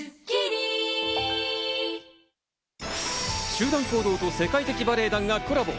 集団行動と世界的バレエ団がコラボ！